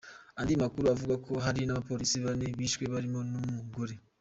Andi makuru avuga ko hari n’abapolisi bane bishwe barimo n’uw’umugore.